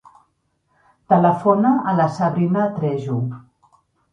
Telefona a la Sabrina Trejo.